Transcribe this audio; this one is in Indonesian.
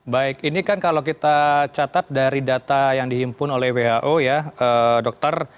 baik ini kan kalau kita catat dari data yang dihimpun oleh who ya dokter